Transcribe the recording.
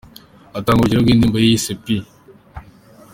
atanga urugero rwindirimbo ye yise P.